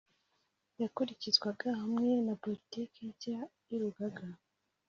yakurikizwaga hamwe na politiki nshya y urugaga